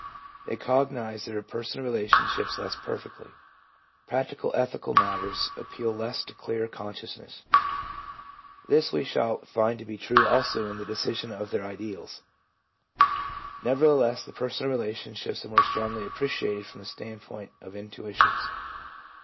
They cognise their personal relationships less perfectly. Practical ethical matters appeal less to clear consciousness. This we shall find to be true also in the discussion of their ideals. Nevertheless, the personal relationships are more strongly appreciated from the standpoint of intu itions.